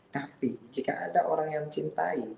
tapi jika ada orang yang cintai